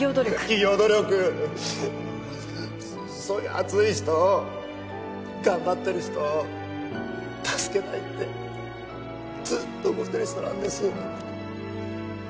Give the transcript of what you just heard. そういう熱い人を頑張ってる人を助けたいってずっと思ってる人なんです。